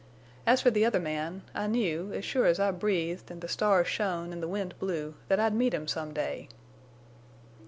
As for the other man, I knew, as sure as I breathed en' the stars shone en' the wind blew, that I'd meet him some day.